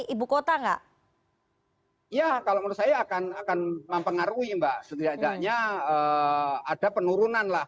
ibukota enggak ya kalau menurut saya akan akan mempengaruhi mbak setidaknya ada penurunan lah